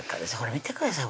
見てください